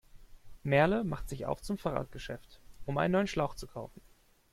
Merle macht sich auf zum Fahrradgeschäft, um einen neuen Schlauch zu kaufen.